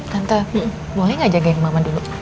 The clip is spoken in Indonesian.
tante boleh gak jagain mama dulu